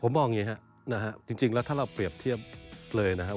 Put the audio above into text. ผมมองอย่างนี้ครับนะฮะจริงแล้วถ้าเราเปรียบเทียบเลยนะครับ